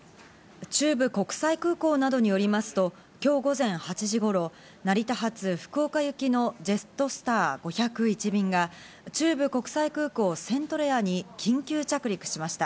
中部国際空港などによりますと、今日午前８時頃、成田発福岡行きのジェットスター５０１便が中部国際空港・セントレアに緊急着陸しました。